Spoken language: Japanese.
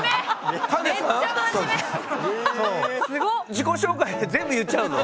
自己紹介で全部言っちゃうの？